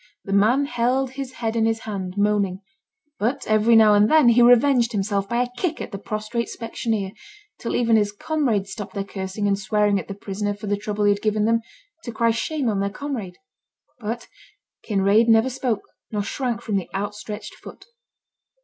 The man held his head in his hand, moaning; but every now and then he revenged himself by a kick at the prostrate specksioneer, till even his comrades stopped their cursing and swearing at their prisoner for the trouble he had given them, to cry shame on their comrade. But Kinraid never spoke, nor shrank from the outstretched foot.